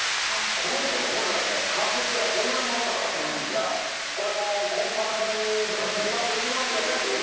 この人も本来ね、カープ時代はホームランバッターだったんですが、これもう、コンパクトにうまく打ちますよね。